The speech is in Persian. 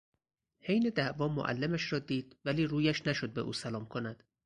حین دعوا معلمش را دید ولی رویش نشد به او سلام کند.